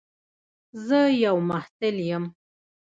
زه یو محصل یم.